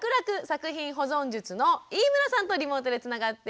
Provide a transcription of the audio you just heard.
作品保存術！」の飯村さんとリモートでつながっています。